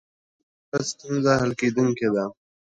له زغم سره هره ستونزه حل کېدونکې ده.